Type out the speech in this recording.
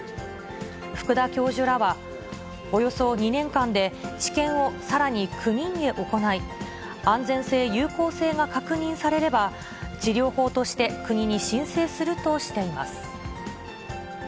福田教授らは、およそ２年間で治験をさらに９人へ行い、安全性、有効性が確認されれば、治療法として国に申請するとしています。